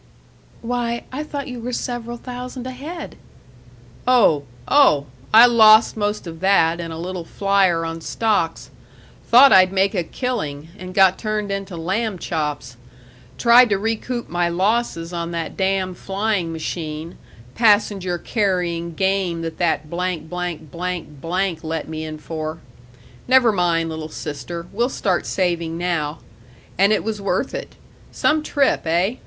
"Why, I thought you were several thousand ahead!" "Oh oh! I lost most of that in a little flyer on stocks thought I'd make a killing, and got turned into lamb chops; tried to recoup my losses on that damn flying machine, passenger carrying game that that let me in for. Never mind, little sister; we'll start saving now. And it was worth it. Some trip, eh?